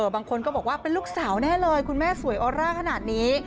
บางคนก็บอกว่าเป็นลูกสาวแน่เลยคุณแม่สวยออร่าขนาดนี้